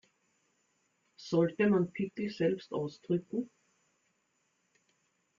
Sollte man Pickel selbst ausdrücken?